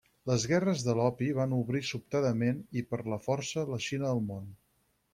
Les guerres de l'opi van obrir sobtadament i per la força la Xina al món.